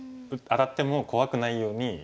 当たっても怖くないように。